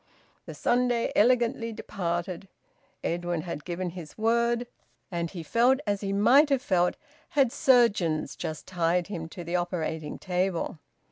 The Sunday elegantly departed. Edwin had given his word, and he felt as he might have felt had surgeons just tied him to the operating table.